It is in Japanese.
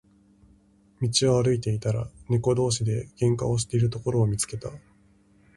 道を歩いていたら、猫同士で喧嘩をしているところを見つけた。